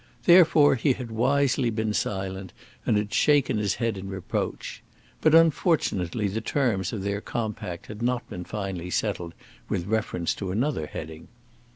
Therefore he had wisely been silent, and had shaken his head in reproach. But unfortunately the terms of their compact had not been finally settled with reference to another heading.